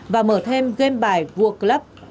và mở thêm game bài vuaclub